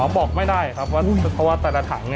บอกไม่ได้ครับว่าเพราะว่าแต่ละถัง